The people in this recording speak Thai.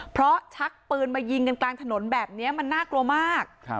เพราะชักปืนมายิงกันกลางถนนแบบนี้มันน่ากลัวมาก